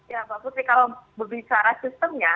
ya pak putri kalau bicara sistemnya